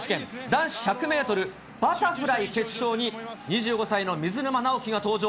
男子１００メートルバタフライ決勝に、２５歳の水沼尚輝が登場。